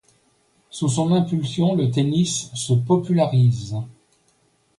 Sous son impulsion, le tennis se popularise.